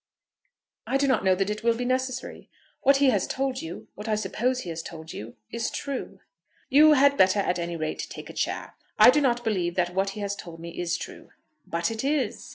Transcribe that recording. "I do not know that it will be necessary. What he has told you, what I suppose he has told you, is true." "You had better at any rate take a chair. I do not believe that what he has told me is true." "But it is."